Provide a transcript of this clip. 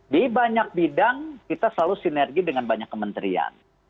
di banyak bidang kita selalu sinergi dengan banyak kementerian